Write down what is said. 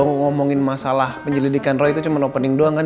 ngomong ngomongin masalah penyelidikan roy itu cuma opening doang kan